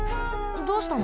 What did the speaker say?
どうしたの？